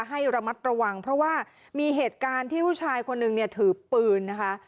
ให้ระมัดระวังเพราะว่ามีเหตุการณ์ที่ผู้ชายคนหนึ่งเนี่ยถือปืนนะคะ